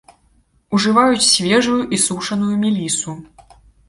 Ужываюць свежую і сушаную мелісу.